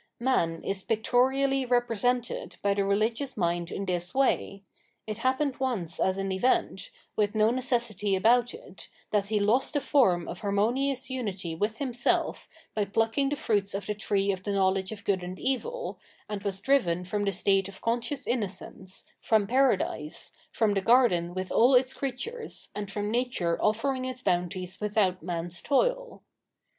Man is pictorially represented by the rehgious 783 Revealed Religion mind in tliis way : it happened once as an event, with no necessity about it, that he lost the form of harmonious unity with himself by plucking the fruits of the tree of the knowledge of good and evil, and was driven from the state of conscious innocence, from Paradise, from the garden with all its creatures, and from nature ofieriug its boimties without many's toil.